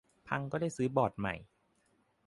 พังก็ได้ซื้อบอร์ดใหม่